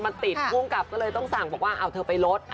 มันติดภูมิกับก็เลยต้องสั่งบอกว่าเอาเธอไปลด